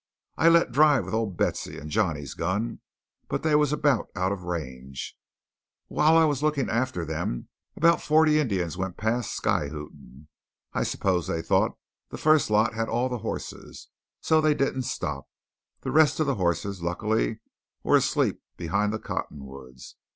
I let drive with old Betsey and Johnny's gun, but they was about out of range. While I was looking after them about forty Injuns went past sky hootin'. I suppose they thought the first lot had all the hosses, and so they didn't stop. The rest of the hosses, luckily, was asleep behind the cottonwoods.